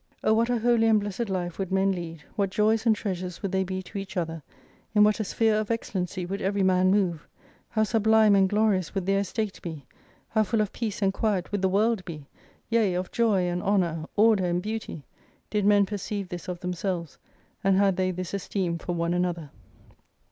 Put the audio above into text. O what a holy and blessed hfe would men lead, what joys and treasures would they be to each other, in what a sphere of excellency would every man move, how sublime and glorious would their estate be, how full of peace and quiet would the world be, yea of joy and honour, order and beauty, did men perceive this of themselves, and had they this esteem for one another